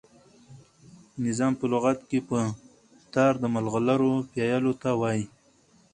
نظام په لغت کښي په تار د ملغلرو پېیلو ته وايي.